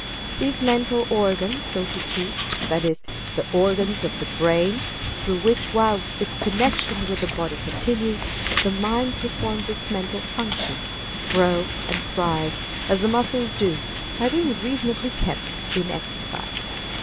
These mental organs, so to speak that is, the organs of the brain, through which, while its connection with the body continues, the mind performs its mental functions grow and thrive, as the muscles do, by being reasonably kept in exercise.